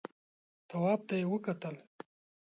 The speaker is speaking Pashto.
تواب ته يې وکتل.